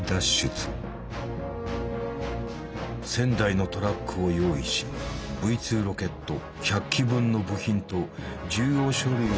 １，０００台のトラックを用意しＶ２ロケット１００基分の部品と重要書類を積み込ませた。